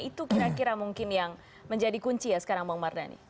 itu kira kira mungkin yang menjadi kunci ya sekarang bang mardhani